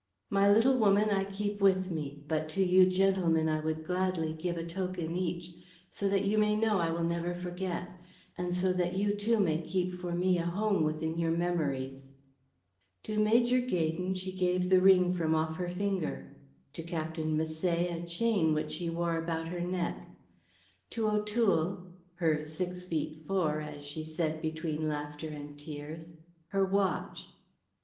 My little woman I keep with me, but to you gentlemen I would gladly give a token each, so that you may know I will never forget, and so that you too may keep for me a home within your memories." To Major Gaydon she gave a ring from off her finger, to Captain Misset a chain which she wore about her neck, to O'Toole, "her six feet four," as she said between laughter and tears, her watch.